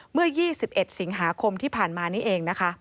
เมื่อ๒๑สิงหาคมที่ผ่านมานี้เองนะคะ